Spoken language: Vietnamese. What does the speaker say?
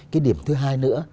cái điểm thứ hai nữa